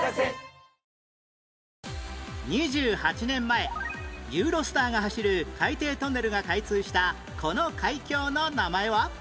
２８年前ユーロスターが走る海底トンネルが開通したこの海峡の名前は？